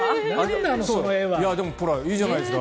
でもいいじゃないですか。